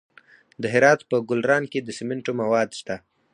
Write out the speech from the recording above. د هرات په ګلران کې د سمنټو مواد شته.